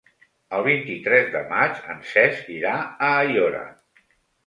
El vint-i-tres de maig en Cesc irà a Aiora.